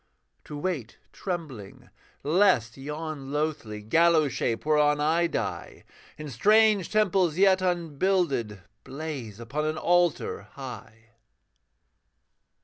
To wait trembling, lest yon loathly Gallows shape whereon I die, In strange temples yet unbuilded, Blaze upon an altar high.